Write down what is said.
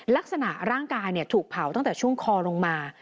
ร่างกายถูกเผาตั้งแต่ช่วงคอลงมา